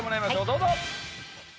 どうぞ！